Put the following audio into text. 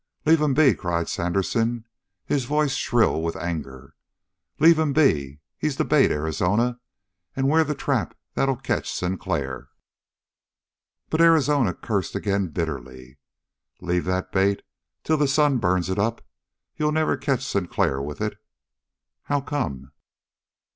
"Leave him be!" cried Sandersen, his voice shrill with anger. "Leave him be! He's the bait, Arizona, and we're the trap that'll catch Sinclair." But Arizona cursed again bitterly. "Leave that bait lie till the sun burns it up. You'll never catch Sinclair with it." "How come?"